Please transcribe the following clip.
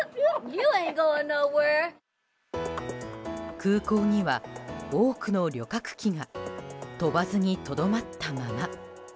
空港には多くの旅客機が飛ばずにとどまったまま。